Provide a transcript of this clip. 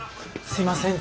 すいません